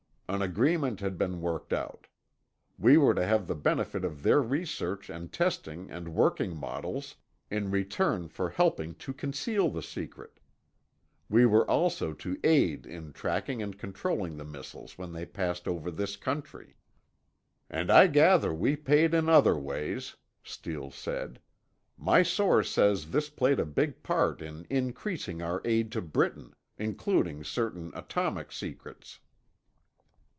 An agreement had been worked out. We were to have the benefit of their research and testing and working models, in return for helping to conceal the secret. We were also to aid in tracking and controlling the missiles when they passed over this country. "And I gather we paid in other ways," Steele said. "My source says this played a big part in increasing our aid to Britain, including certain atomic secrets."